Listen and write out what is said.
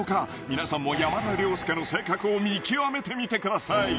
みなさんも山田涼介の性格を見極めてみてください